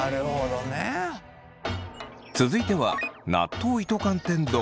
続いては納豆糸寒天丼。